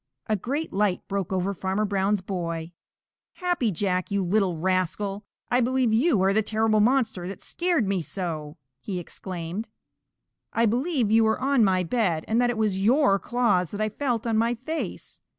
A great light broke over Farmer Brown's boy. "Happy Jack, you little rascal, I believe you are the terrible monster that scared me so!" he exclaimed. "I believe you were on my bed, and that it was your claws that I felt on my face.